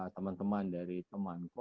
teman teman dari temanku